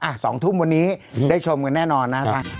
๒ทุ่มวันนี้ได้ชมกันแน่นอนนะคะ